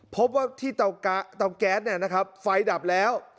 พบว่าที่เตาแก๊สไฟดับแล้ว